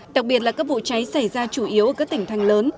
đặc biệt là các vụ cháy xảy ra chủ yếu ở các tỉnh thành lớn